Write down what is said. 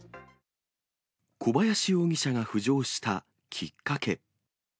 小林容疑者が浮上したきっかけ。